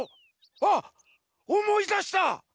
あっおもいだした！